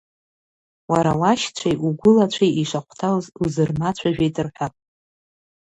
Уара уашьцәеи угәылацәеи ишахәҭаз узырмацәажәеит, — рҳәап.